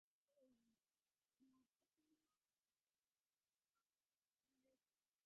আমি বন্দী হইবামাত্র সৈন্যেরা আমার ভাই হামচুপামুকে রাজা করিবে।